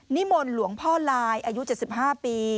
นิมนต์หลวงพ่อลายอายุ๗๕ปี